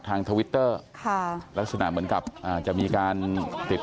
ทวิตเตอร์ค่ะลักษณะเหมือนกับอ่าจะมีการติด